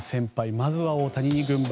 まずは大谷に軍配。